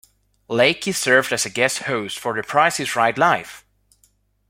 Lachey served as guest host for The Price Is Right Live!